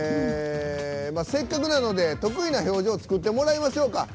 せっかくなので得意な表情を作ってもらいましょうか。